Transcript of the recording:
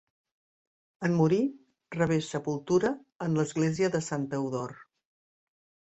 En morir, rebé sepultura en l'església de Sant Teodor.